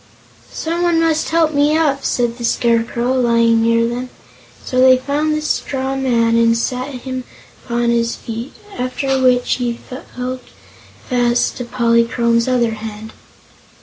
"Someone must help me up," said the Scarecrow, lying near them; so they found the straw man and sat him upon his feet, after which he held fast to Polychrome's other hand.